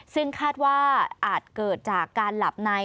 ซึ่งคาดว่าอาจเกิดจากการหลับใน